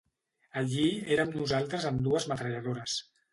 Allí érem nosaltres amb dues metralladores.